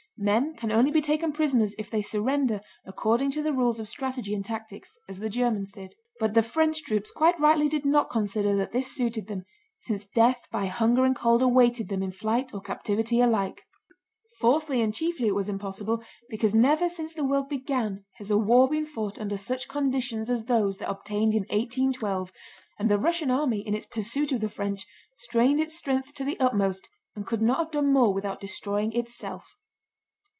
Men can only be taken prisoners if they surrender according to the rules of strategy and tactics, as the Germans did. But the French troops quite rightly did not consider that this suited them, since death by hunger and cold awaited them in flight or captivity alike. Fourthly and chiefly it was impossible, because never since the world began has a war been fought under such conditions as those that obtained in 1812, and the Russian army in its pursuit of the French strained its strength to the utmost and could not have done more without destroying itself.